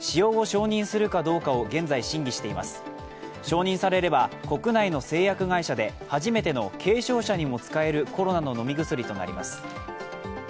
承認されれば国内の製薬会社で初めての軽症者にも使えるコロナの飲み薬となります。